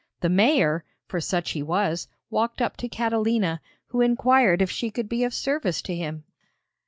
The mayor, for such he was, walked up to Catalina, who inquired if she could be of service to him.